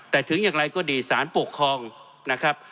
แต่ถึงอย่างไรก็ดีสารปกครองนะครับ